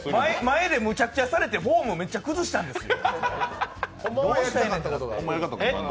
前でめちゃくちゃされてフォームをめちゃ崩したんですよ。